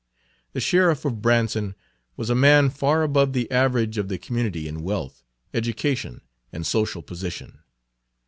The sheriff of Branson was a man far above the average of the community in wealth, education, and social position.